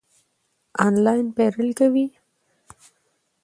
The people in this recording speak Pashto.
آنلاین پیرل کوئ؟